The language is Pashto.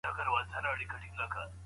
شيطان د انسان له خيره ګرځولو هڅې کوي.